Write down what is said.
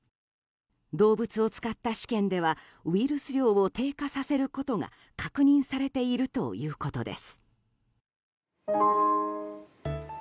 動物を使った試験ではウイルス量を低下させることが確認されているということです。